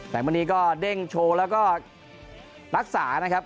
มณีก็เด้งโชว์แล้วก็รักษานะครับ